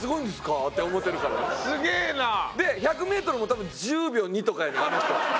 すげえな！で１００メートルも多分１０秒２とかやねんあの人。